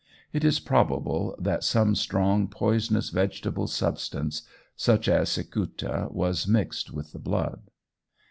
It is probable that some strong poisonous vegetable substance, such as cicuta, was mixed with the blood.